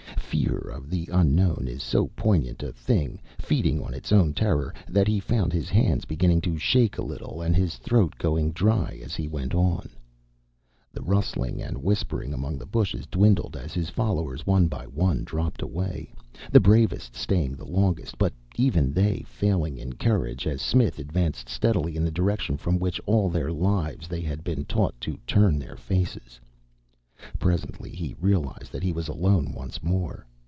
Fear of the unknown is so poignant a thing, feeding on its own terror, that he found his hands beginning to shake a little and his throat going dry as he went on. The rustling and whispering among the bushes dwindled as his followers one by one dropped away, the bravest staying the longest, but even they failing in courage as Smith advanced steadily in that direction from which all their lives they had been taught to turn their faces. Presently he realized that he was alone once more.